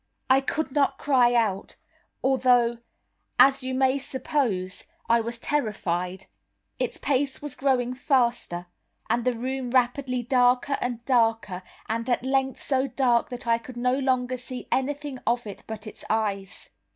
I could not cry out, although as you may suppose, I was terrified. Its pace was growing faster, and the room rapidly darker and darker, and at length so dark that I could no longer see anything of it but its eyes.